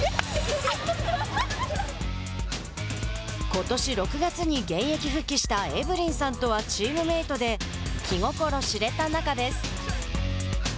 ことし６月に現役復帰したエブリンさんとはチームメートで気心知れた仲です。